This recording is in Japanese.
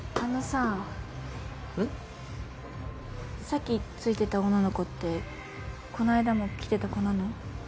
さっき付いてた女の子ってこの間も来てた子なの？